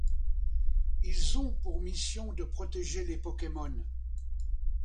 Ils ont pour mission de protéger les Pokémon.